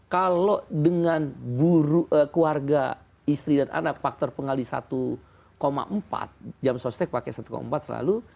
kalau dengan keluarga istri dan anak faktor pengali satu empat jam sostek pakai satu empat selalu